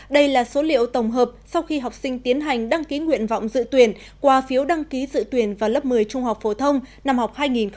đây là số liệu tổng hợp sau khi học sinh tiến hành đăng ký nguyện vọng dự tuyển qua phiếu đăng ký dự tuyển vào lớp một mươi trung học phổ thông năm học hai nghìn hai mươi hai nghìn hai mươi một